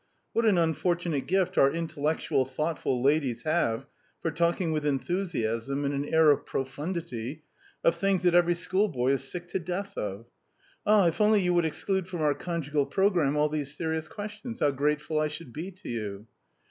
What an unfortunate gift our intellectual thoughtful ladies have for talking with enthusiasm and an air of profundity of things that every schoolboy is sick to death of! Ah, if only you would exclude from our conjugal programme all these serious questions! How grateful I should be to you!"